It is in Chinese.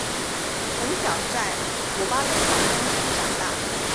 从小在姆巴雷皇宫中长大。